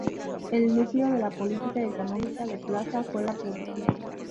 El núcleo de la política económica de Plaza fue la producción.